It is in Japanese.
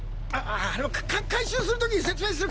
あの回収する時に説明するから！